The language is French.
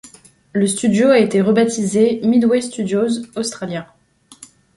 Le studio a été rebaptisé Midway Studios Australia.